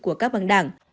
của các băng đảng